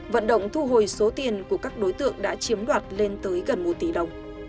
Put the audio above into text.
vận động thu hồi số tiền của các đối tượng đã chiếm đoạt lên tới gần một tỷ đồng